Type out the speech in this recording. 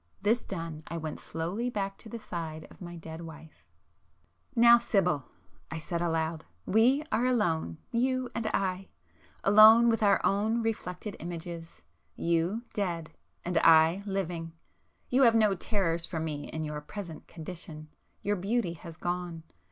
This done I went slowly back to the side of my dead wife. [p 397]"Now Sibyl,"—I said aloud—"we are alone, you and I—alone with our own reflected images,—you dead, and I living! You have no terrors for me in your present condition,—your beauty has gone.